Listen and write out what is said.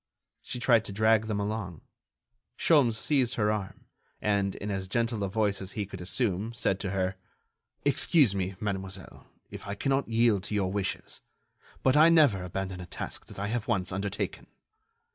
She tried to drag them along. Sholmes seized her arm, and in as gentle a voice as he could assume, said to her: "Excuse me, mademoiselle, if I cannot yield to your wishes, but I never abandon a task that I have once undertaken."